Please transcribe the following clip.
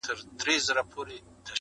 دا ستا دسرو سترگو خمار وچاته څه وركوي.